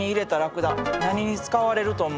何に使われると思う？